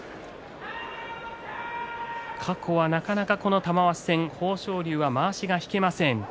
過去は、なかなかこの玉鷲戦豊昇龍はまわしが引けません。